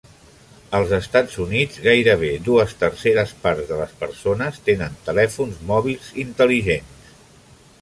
Als Estats Units, gairebé dues terceres parts de les persones tenen telèfons mòbils intel·ligents.